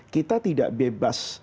kita tidak bebas